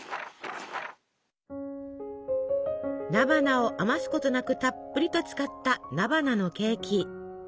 菜花を余すことなくたっぷりと使った菜花のケーキ。